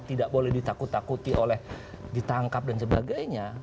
tidak boleh ditakut takuti oleh ditangkap dan sebagainya